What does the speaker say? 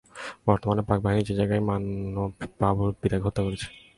বর্তমানে পাকবাহিনী যে জায়গায় মানব বাবুর পিতাকে হত্যা করেছে।